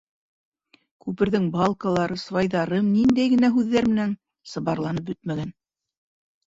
Күперҙең балкалары, свайҙары ниндәй генә һүҙҙәр менән сыбарланып бөтмәгән!